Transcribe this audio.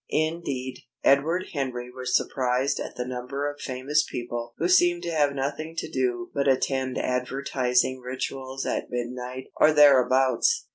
Indeed, Edward Henry was surprised at the number of famous people who seemed to have nothing to do but attend advertising rituals at midnight or thereabouts.